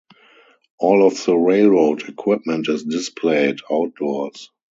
All of the railroad equipment is displayed outdoors.